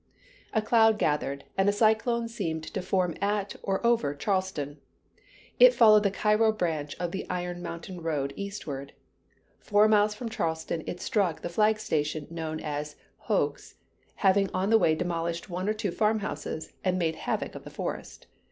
A cloud gathered, and a cyclone seemed to form at, or over, Charleston. It followed the Cairo branch of the Iron Mountain Road eastward. Four miles from Charleston it struck the flag station known as Hough's, having on the way demolished one or two farm houses, and made havoc of the forest.